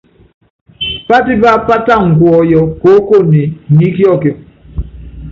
Pátipá pátaka kuɔyɔ koókone ni íkiɔkiɔ.